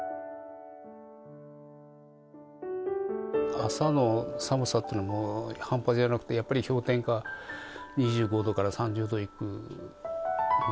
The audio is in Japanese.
朝の寒さってのはもう半端じゃなくてやっぱり氷点下２５度から３０度いくぐらいですよね。